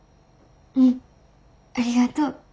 うんありがとう。